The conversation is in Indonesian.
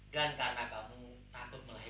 dan karena kamu takut melahirkan